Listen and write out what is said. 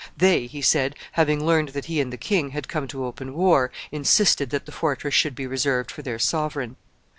They, he said, having learned that he and the king had come to open war, insisted that the fortress should be reserved for their sovereign.